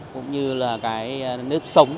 cũng như là cái nếp sống